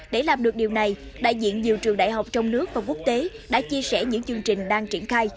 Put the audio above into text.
để làm được điều này đại diện nhiều trường đại học trong nước và quốc tế đã chia sẻ những chương trình đang triển khai